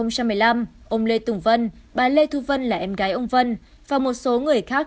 năm hai nghìn một mươi năm ông lê tùng vân bà lê thu vân là em gái ông vân và một số người khác